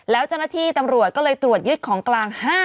แล้วเจ้าหน้าที่ตำรวจก็เลยตรวจยึดของกลาง